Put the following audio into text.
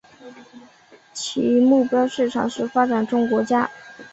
其目标市场是发展中国家。